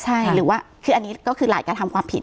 ใช่หรือว่าคืออันนี้ก็คือหลายกระทำความผิด